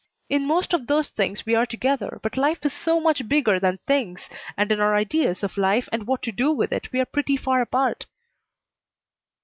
In most of those things we are together, but life is so much bigger than things, and in our ideas of life and what to do with it we are pretty far apart."